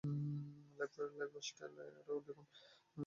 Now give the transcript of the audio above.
lifestyle থেকে আরও দেখুন